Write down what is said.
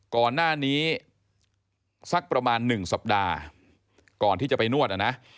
ก่อนหน้านี้สักประมาณ๑สัปดาห์ก่อนที่จะไปนวดอ่ะนะ